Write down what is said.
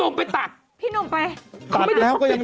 มีภาพผู้ตำแก่แม่นคุณ